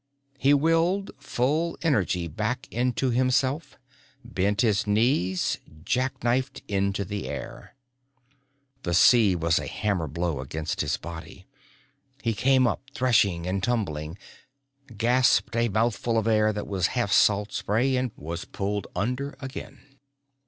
He willed full energy back into himself, bent his knees, jack knifed into the air. The sea was a hammer blow against his body. He came up threshing and tumbling, gasped a mouthful of air that was half salt spray, was pulled under again.